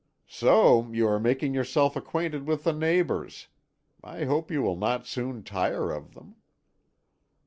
"So you are making yourself acquainted with the neighbours. I hope you will not soon tire of them."